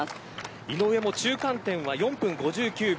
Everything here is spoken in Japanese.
井上も中間点は４分５９秒